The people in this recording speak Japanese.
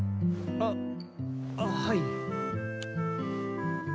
あっはい。